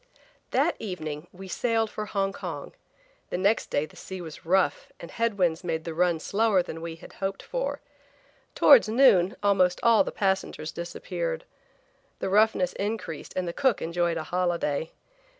THAT evening we sailed for Hong Kong. The next day the sea was rough and head winds made the run slower than we had hoped for. Towards noon almost all the passengers disappeared. The roughness increased and the cook enjoyed a holiday.